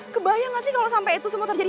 kebayang gak sih kalau sampai itu semua terjadi